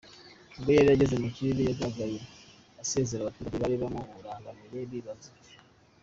Ubwo yari ageze mu kirere yagaragaye asezera abaturage bari bamurangamiye bibaza ibye.